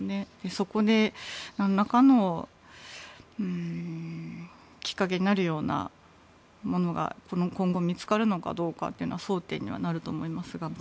そこで、なんらかのきっかけになるようなものが今後、見つかるのかどうかは争点になると思いますが。